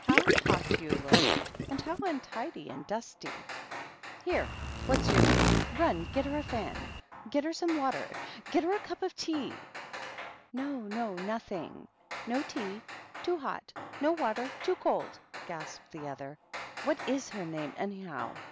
"How hot you look! and how untidy, and dusty I Here, What's your name, run get her a fan I get her some water I get her a cup of tea I" " No, no, nothing ! No tea, — ^too hot ! no water, — too cold!" gasped the other. "What %» her name, anyhow?"